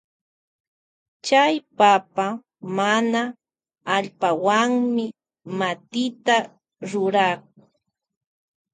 Chay papa mana allpawanmi matita rurakun.